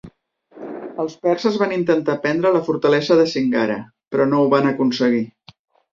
Els perses van intentar prendre la fortalesa de Singara, però no ho van aconseguir.